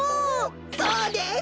そうです。